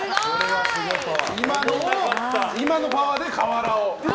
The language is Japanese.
今のパワーで瓦を。